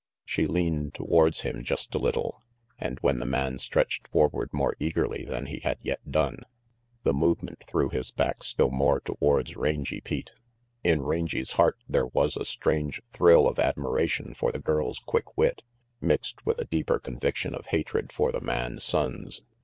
She leaned towards him just a little, and when the man stretched forward more eagerly than he had yet done, the 338 RANGY PETE movement threw his back still more towards Rangy Pete. In Rangy 's heart there was a strange thrill of admiration for the girl's quick wit, mixed with a deeper conviction of hatred for the man Sonnes.